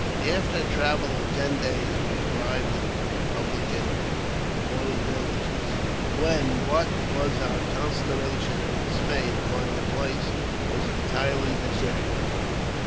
After a travel of ten days we arrived at the Eepublican Pawnee villages, when what was our consternation and dismay to find the place entirely deserted!